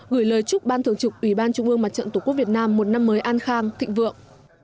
gửi lời chúc ban thường trục ubnd mặt trận tổ quốc việt nam một năm mới an khang thịnh vượng